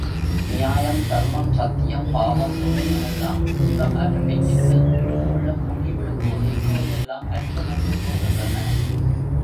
நியாயம், தர்மம், சத்தியம், பாவம், புண்ணியம் எல்லாம் விவகாரப் பேச்சுக்கு, உள்ளம் பொங்கிவிடும்போது, இவையெல்லாம் அர்த்தமற்றுப் போகின்றன.